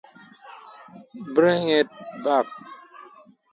The data represents the diversity of real people.